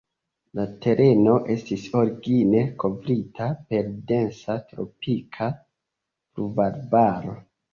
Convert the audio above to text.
La tereno estis origine kovrita per densa tropika pluvarbaro.